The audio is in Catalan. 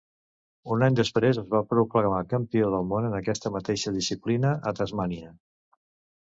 Un any després es va proclamar campió del món en aquesta mateixa disciplina a Tasmània.